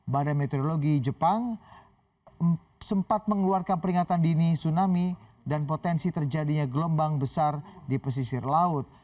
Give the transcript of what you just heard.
badan meteorologi jepang sempat mengeluarkan peringatan dini tsunami dan potensi terjadinya gelombang besar di pesisir laut